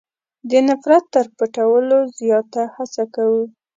د نفرت تر پټولو زیاته هڅه کوو.